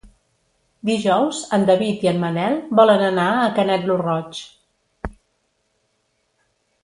Dijous en David i en Manel volen anar a Canet lo Roig.